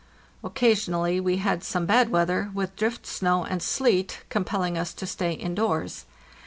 Occasionally we had some bad weather, with drift snow and sleet, compelling us to stay indoors.